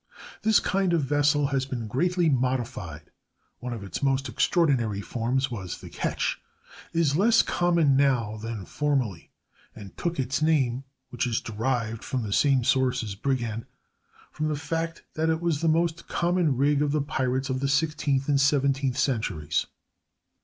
This kind of vessel has been greatly modified (one of its most extraordinary forms was the ketch), is less common now than formerly, and took its name, which is derived from the same source as "brigand," from the fact that it was the most common rig of the pirates of the sixteenth and seventeenth centuries.